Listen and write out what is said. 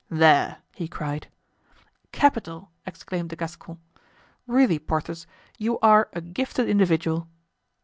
"There!" he cried. "Capital!" exclaimed the Gascon. "Really, Porthos, you are a gifted individual!"